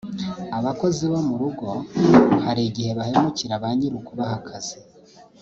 Abakozi bo mu rugo hari igihe bahemukira ba nyiri ukubaha akazi